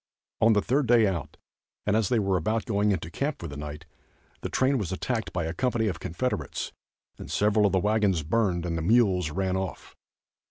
On the third day out and as they were about going into camp for the night, the train was attacked by a company of Confederates and several of the wagons burned and the mules run off.